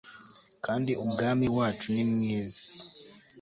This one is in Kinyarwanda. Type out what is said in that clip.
kandi ubwami wacu nimwiza